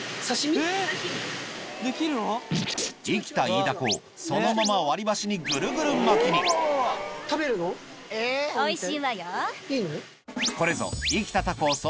生きたイイダコをそのまま割り箸にぐるぐる巻きに韓国では定番えウソ